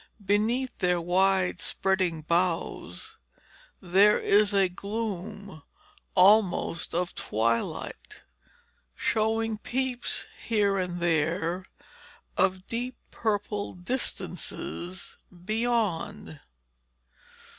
Beneath their wide spreading boughs there is a gloom almost of twilight, showing peeps here and there of deep purple distances beyond.